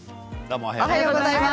おはようございます。